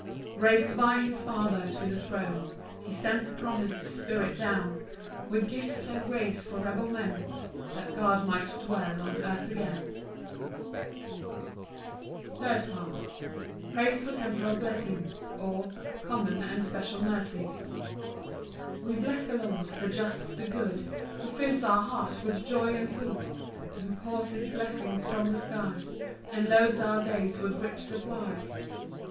4 Rais'd by his Father to the throne, He sent the promis'd Spirit down, With gifts and grace for rebel men, That God might dwell on earth again. Psalm 68:3. 19 9 20 2. Third Part. Praise for temporal blessings; or, Common and special mercies. 1 We bless the Lord, the just, the good, Who fills our hearts with joy and food; Who pours his blessings from the skies, And loads our days with rich supplies.